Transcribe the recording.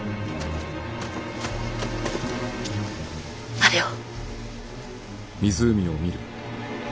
あれを。